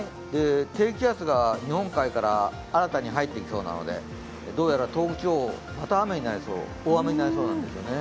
低気圧が日本海から新たに入ってきそうなのでどうやら東北地方、また大雨になりそうなんですよね。